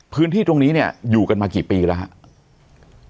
พื้นที่ตรงนี้เนี่ยอยู่กันมากี่ปีแล้วครับ